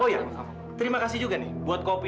oh ya terima kasih juga nih buat kopi